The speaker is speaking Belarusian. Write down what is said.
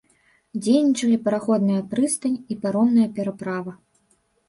Дзейнічалі параходная прыстань і паромная пераправа.